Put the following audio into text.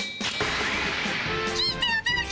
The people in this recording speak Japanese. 聞いておどろけ！